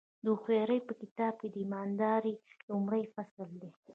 د هوښیارۍ په کتاب کې ایمانداري لومړی فصل دی.